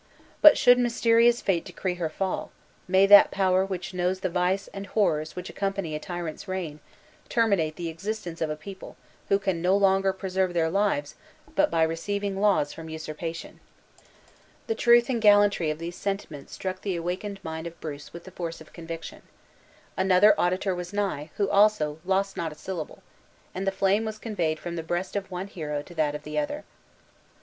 But, should mysterious fate decree her fall, may that power which knows the vice and horrors which accompany a tyrant's reign, terminate the existence of a people who can no longer preserve their lives but by receiving laws from usurpation!" The truth and gallantry of these sentiments struck the awakened mind of Bruce with the force of conviction. Another auditor was nigh, who also lost not a syllable; "and the flame was conveyed from the breast of one hero to that of the other."